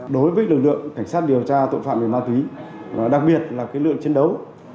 đối với lực lượng cảnh sát điều tra tội phạm về ma túy đặc biệt là lượng chiến đấu